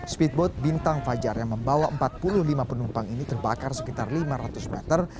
speedboat bintang fajar yang membawa empat puluh lima penumpang ini terbakar sekitar lima ratus meter